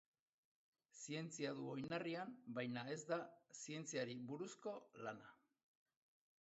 Zientzia du oinarrian baina ez da zientziari buruzko lana.